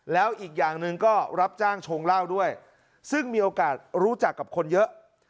แล้วอีกอย่างหนึ่งก็รับจ้างชงเหล้าด้วยซึ่งมีโอกาสรู้จักกับคนเยอะ